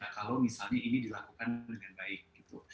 kalau misalnya ini dilakukan dengan baik gitu